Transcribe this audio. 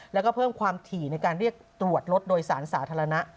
แล้วก็เพิ่มความถี่ในการเรียกตรวจรถโดยสารสาธารณะ